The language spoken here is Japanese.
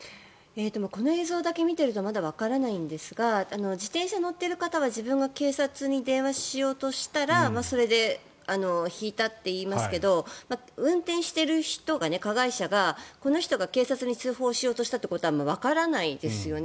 この映像だけ見てるとまだわからないんですが自転車に乗っている方は自分が警察に電話しようとしたらそれでひいたって言いますけど運転している人が加害者が、この人が警察に通報しようとしたかどうかはわからないですよね。